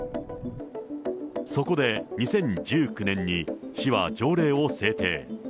そこで２０１９年に、市は条例を制定。